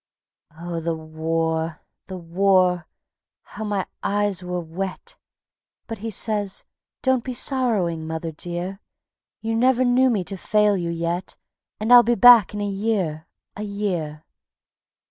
Oh, the war, the war! How my eyes were wet! But he says: "Don't be sorrowing, mother dear; You never knew me to fail you yet, And I'll be back in a year, a year."